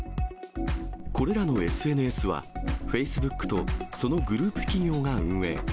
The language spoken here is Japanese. これらのＳＮＳは、フェイスブックとそのグループ企業が運営。